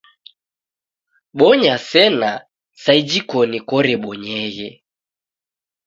Bonya sena sa iji koni korebonyereghe